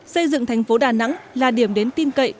xây dựng tp đà nẵng là điểm đến tin cậy